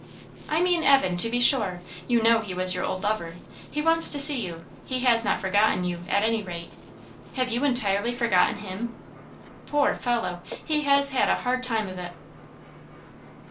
"I mean Evan, to be sure. You know he was your old lover. He wants to see you. He has not forgotten you, at any rate. Have you entirely forgotten him? Poor fellow! he has had a hard time of it."